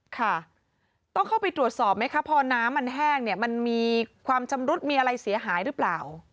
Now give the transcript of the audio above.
ค่ะต้องเข้าไปตรวจสอบไหมคะพอน้ำมันแห้งเนี่ยมันมีความชำรุดมีอะไรเสียหายหรือเปล่า